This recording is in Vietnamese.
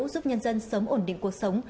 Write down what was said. giúp nhân dân sớm ổn định cuộc sống